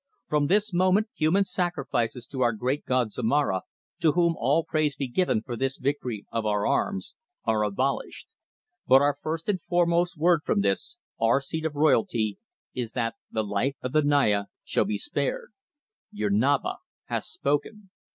From this moment human sacrifices to our great god Zomara to whom all praise be given for this victory of our arms are abolished. But our first and foremost word from this, our seat of royalty, is that the life of the Naya shall be spared. Your Naba hath spoken."